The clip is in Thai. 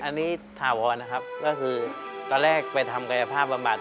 อันนี้ถาวรนะครับก็คือตอนแรกไปทำกายภาพบำบัด